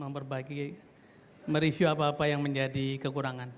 memperbaiki mereview apa apa yang menjadi kekurangan